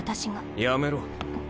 やめろ。